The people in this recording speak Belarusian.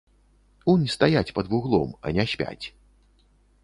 Унь стаяць пад вуглом, а не спяць.